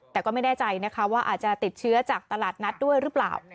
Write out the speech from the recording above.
แต่ก็ไม่แน่ใจนะคะว่าอาจจะติดเชื้อจากตลาดนัดด้วยหรือเปล่า